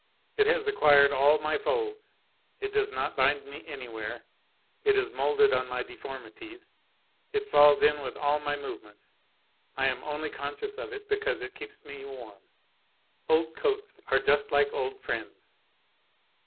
It has acquired all my folds, it does not bind me anywhere, it is moulded on my deformities, it falls in with all my movements, I am only conscious of it because it keeps me warm. Old coats are just like old friends."